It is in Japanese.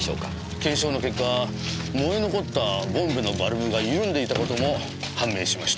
検証の結果燃え残ったボンベのバルブが緩んでいたことも判明しました。